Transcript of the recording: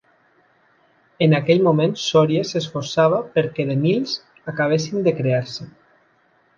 En aquell moment, Soria s'esforçava perquè The Nils acabessin de crear-se.